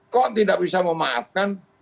kok tidak bisa memaafkan